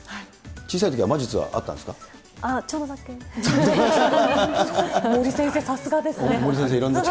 小さいときは魔術はあったんですか。